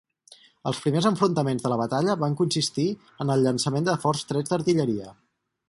Els primers enfrontaments de la batalla van consistir en el llançament de forts trets d'artilleria.